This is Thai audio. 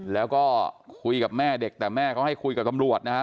แล้วก็คุยกับแม่เด็กแต่แม่เขาให้คุยกับตำรวจนะฮะ